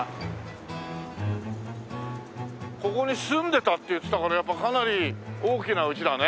ここに住んでたって言ってたからやっぱかなり大きな家だね。